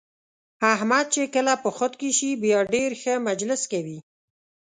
احمد چې کله په خود کې شي بیا ډېر ښه مجلس کوي.